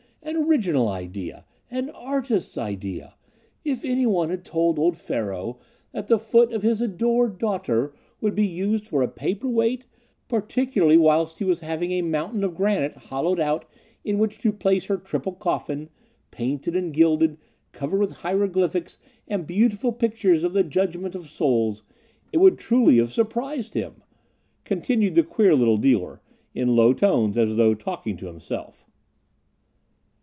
An original idea! an artist's idea! If anyone had told old Pharaoh that the foot of his adored daughter would be used for a paper weight, particularly whilst he was having a mountain of granite hollowed out in which to place her triple coffin, painted and gilded, covered with hieroglyphics, and beautiful pictures of the judgment of souls, it would truly have surprised him," continued the queer little dealer, in low tones, as though talking to himself.